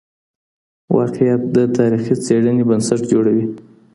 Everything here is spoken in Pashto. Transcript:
واقعیت د تاریخي څېړني بنسټ جوړوي.